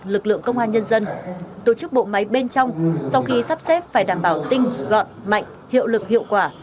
lực lượng công an nhân dân tổ chức bộ máy bên trong sau khi sắp xếp phải đảm bảo tinh gọn mạnh hiệu lực hiệu quả